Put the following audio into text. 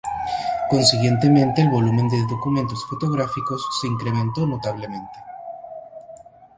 Consiguientemente, el volumen de documentos fotográficos se incrementó notablemente.